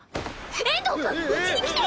遠藤くんうちに来てよ！